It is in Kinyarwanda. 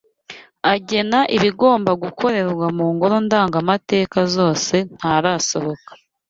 agena ibigomba gukorerwa mu ngoro ndangamateka zose ntarasohoka